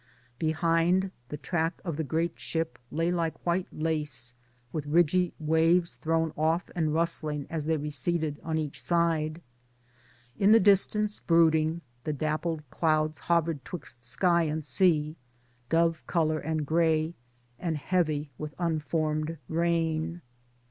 Behind, the track of the great ship lay like white lace, with ridgy waves thrown off" and rustling as they receded on each side ; in the distance brooding the dappled clouds hovered 'twixt sky and sea ŌĆö dove color and grey and heavy with unformed rain.